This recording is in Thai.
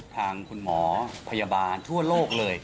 ทางคุณหมอพยาบาลทั่วโลกเลย